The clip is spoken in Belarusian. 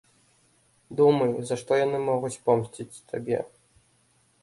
Думай, за што яны могуць помсціць табе.